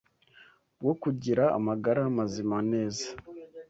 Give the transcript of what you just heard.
bwo kugira amagara mazima neza.